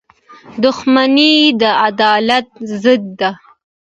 • دښمني د عدالت ضد ده.